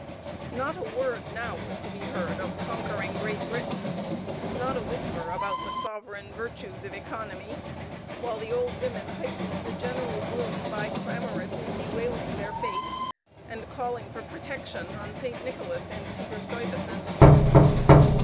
Not a word now was to be heard of conquering Great Britain, not a whisper about the sovereign virtues of economy while the old women heightened the general gloom by clamorously bewailing their fate, and calling for protection on St. Nicholas and Peter Stuyvesant.